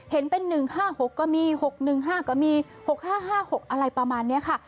เห็นเป็น๑๕๖ก็มี๖๑๕ก็มี๖๕๕๖อะไรประมาณนี้ค่ะ